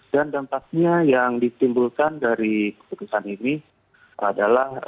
dan dampaknya yang ditimbulkan dari keputusan ini adalah